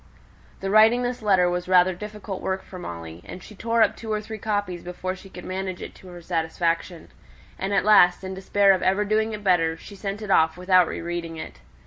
The writing this letter was rather difficult work for Molly, and she tore up two or three copies before she could manage it to her satisfaction; and at last, in despair of ever doing it better, she sent it off without re reading it.